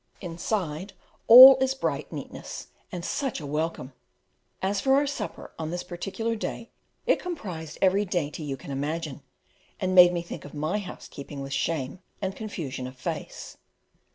Inside all is bright neatness and such a welcome! As for our supper, on this particular day it comprised every dainty you can imagine, and made me think of my housekeeping with shame and confusion of face.